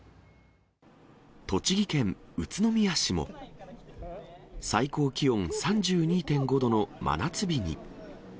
栃木県宇都宮市も、最高気温３２．５度の真夏日に。